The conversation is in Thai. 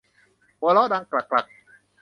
หัวเราะดังกรักกรัก